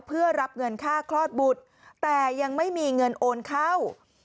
เพื่อรับเงินค่าคลอดบุตรแต่ยังไม่มีเงินโอนเข้า